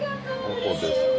どこですか？